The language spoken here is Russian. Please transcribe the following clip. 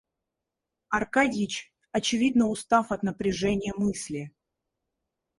Аркадьич, очевидно устав от напряжения мысли.